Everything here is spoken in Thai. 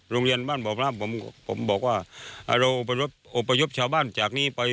โรงเรียนบ้านบ่อพระผมบอกว่าเราอบพยพชาวบ้านจากนี้ไป